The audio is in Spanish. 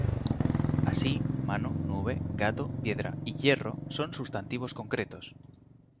Así, "mano", "nube", "gato", "piedra" y "hierro" son sustantivos concretos.